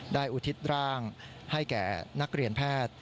อุทิศร่างให้แก่นักเรียนแพทย์